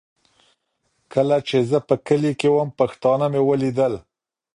کله چي زه په کلي کي وم، پښتانه مي ولیدل.